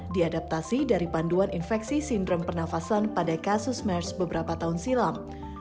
diadaptasi dari panduan infeksi sindrom pernafasan pada kasus mers beberapa tahun silam